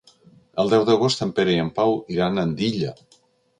El deu d'agost en Pere i en Pau iran a Andilla.